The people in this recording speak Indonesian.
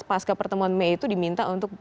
pas ke pertemuan mei itu diminta untuk